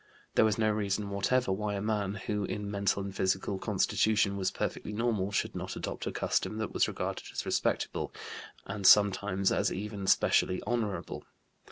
There was no reason whatever why a man, who in mental and physical constitution was perfectly normal, should not adopt a custom that was regarded as respectable, and sometimes as even specially honorable.